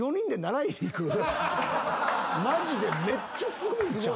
マジでめっちゃすごいんちゃう？